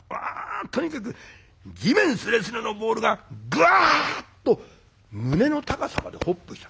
「とにかく地面スレスレのボールがグワッと胸の高さまでホップした」と。